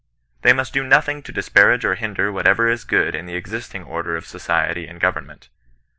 They must do nothing to disparage or hinder whatever is good in the existing order of society and government.